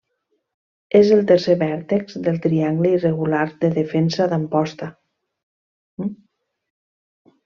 És el tercer vèrtex del triangle irregular de defensa d'Amposta.